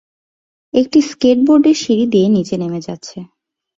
একটি স্কেটবোর্ডার সিঁড়ি দিয়ে নিচে নেমে যাচ্ছে।